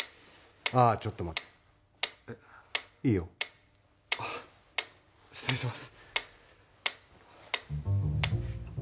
ちょっと待っていいよ失礼します